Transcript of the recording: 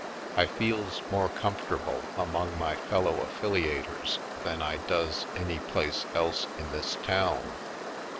I feels more com fortable among my fellow affiliators than I does any place else in this town.